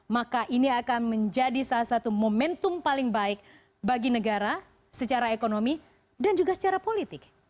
maka ini akan menjadi salah satu momentum paling baik bagi negara secara ekonomi dan juga secara politik